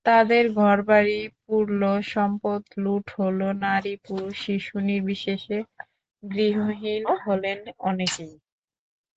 তাদের ঘরবাড়ি পুড়ল, সম্পদ লুট হলো, নারী-পুরুষ-শিশু নির্বিশেষে গৃহহীন হলেন অনেকেই।